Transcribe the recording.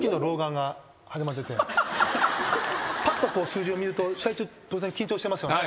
パッとこう数字を見ると試合中当然緊張してますよね。